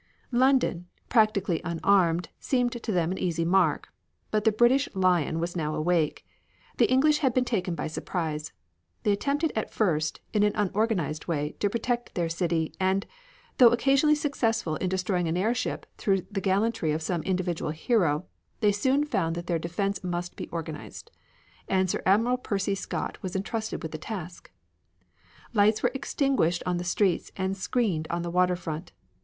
London, practically unarmed, seemed to them an easy mark. But the British Lion was now awake. The English had been taken by surprise. They attempted at first, in an unorganized way, to protect their city, and, though occasionally successful in destroying an airship through the gallantry of some individual hero, they soon found that their defense must be organized, and Admiral Sir Percy Scott was entrusted with the task. Lights were extinguished on the streets and screened on the water front.